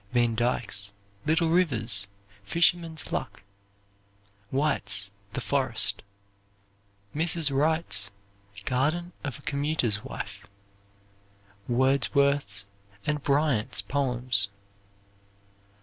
Van Dyke's "Little Rivers," "Fisherman's Luck." White's "The Forest." Mrs. Wright's "Garden of a Commuter's Wife." Wordsworth's and Bryant's Poems.